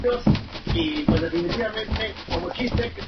La portada está flanqueada por dos óculos mixtilíneos ricamente decorados.